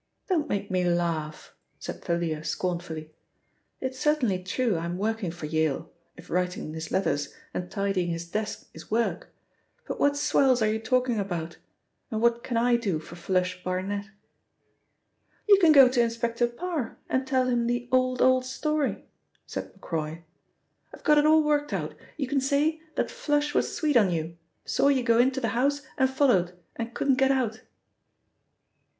"Don't make me laugh," said Thalia scornfully. "It's certainly true I am working for Yale, if writing his letters and tidying his desk is work. But what swells are you talking about? And what can I do for 'Flush' Barnet?" "You can go to Inspector Parr and tell him the old, old story," said Macroy. "I've got it all worked out; you can say that 'Flush' was sweet on you, saw you go into the house and followed, and couldn't get out."